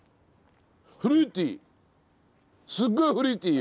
フルーティー。